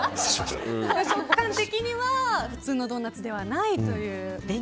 食感的には普通のドーナツではないということで。